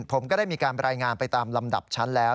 ผมก็ได้มีการรายงานไปตามลำดับชั้นแล้ว